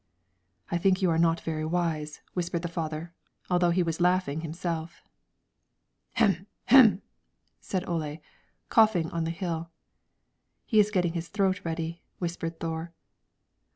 "I think you are not very wise," whispered the father, although he was laughing himself. "Hem, hem!" said Ole, coughing on the hill. "He is getting his throat ready," whispered Thore.